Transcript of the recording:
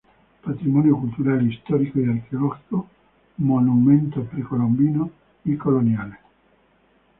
Patrimonio cultural: histórico y arqueológico, monumentos precolombinos y coloniales.